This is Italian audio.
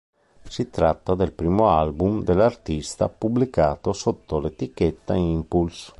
Si tratta del primo album dell'artista pubblicato sotto l'etichetta Impulse!.